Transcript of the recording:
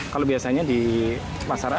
kalau biasanya di pasaran